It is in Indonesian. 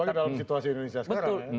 apalagi dalam situasi indonesia sekarang ya